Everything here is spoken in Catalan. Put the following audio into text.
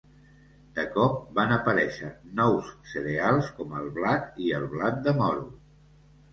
De cop, van aparèixer nous cereals com el blat i el blat de moro.